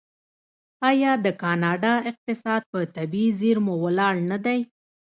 آیا د کاناډا اقتصاد په طبیعي زیرمو ولاړ نه دی؟